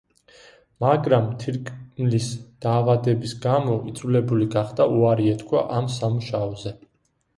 მაგრამ, თირკმლის დაავადების გამო, იძულებული გახდა უარი ეთქვა ამ სამუშაოზე.